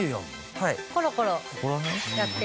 はい。